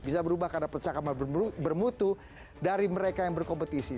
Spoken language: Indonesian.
bisa berubah karena percakapan bermutu dari mereka yang berkompetisi